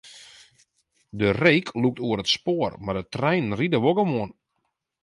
De reek lûkt oer it spoar, mar de treinen ride wol gewoan.